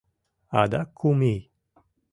Адак кум ий!